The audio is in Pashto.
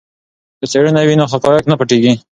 که څېړنه وي نو حقایق نه پټیږي.